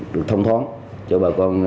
được thông thoáng cho bà con